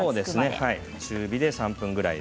中火で３分ぐらい。